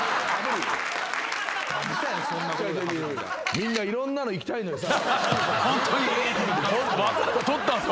みんないろんなのいきたいのにさ。